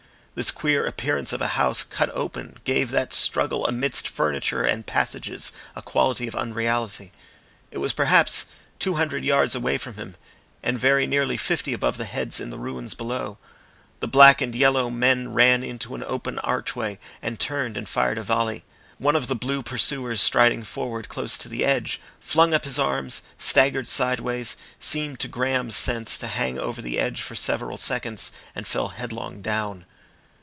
This queer appearance of a house cut open gave that struggle amidst furniture and passages a quality of unreality. It was perhaps two hundred yards away from him, and very nearly fifty above the heads in the ruins below. The black and yellow men ran into an open archway, and turned and fired a volley. One of the blue pursuers striding forward close to the edge, flung up his arms, staggered sideways, seemed to Graham's sense to hang over the edge for several seconds, and fell headlong down.